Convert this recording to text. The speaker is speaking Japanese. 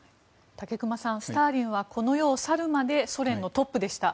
武隈さん、スターリンはこの世を去るまでソ連のトップでした。